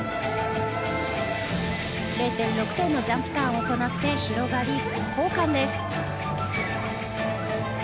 ０．６点のジャンプターンを行って広がり、交換です。